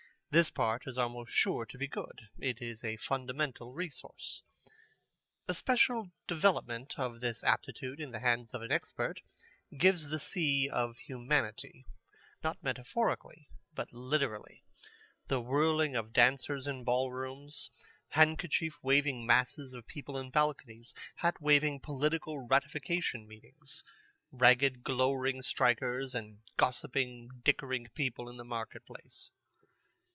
This part is almost sure to be good. It is a fundamental resource. A special development of this aptitude in the hands of an expert gives the sea of humanity, not metaphorically but literally: the whirling of dancers in ballrooms, handkerchief waving masses of people in balconies, hat waving political ratification meetings, ragged glowering strikers, and gossiping, dickering people in the marketplace.